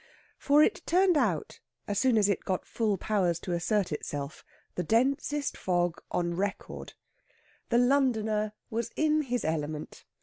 For it turned out, as soon as it got full powers to assert itself, the densest fog on record. The Londoner was in his element.